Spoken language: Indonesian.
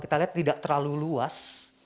kita lihat tidak terlalu luas